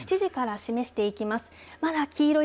午後７時から示していきます。